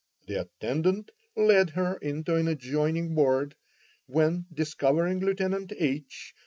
The attendant led her into an adjoining ward, when, discovering Lieutenant H.